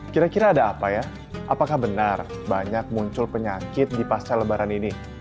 kira kira ada apa ya apakah benar banyak muncul penyakit di pasca lebaran ini